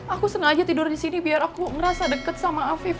aku sengaja tidur di sini biar aku ngerasa deket sama afif